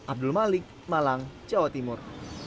abdul malik malang jawa timur